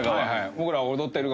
僕らは踊ってる側。